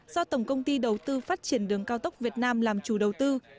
do tổng công ty đầu tư phát triển đường cao tốc việt nam làm chủ đầu tư